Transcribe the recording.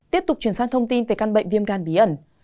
tiếp tục chuyển sang thông tin về căn bệnh viêm gan bí ẩn